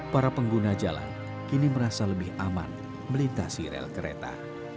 sejak abu abu berjalan kini merasa lebih aman melintasi rel kereta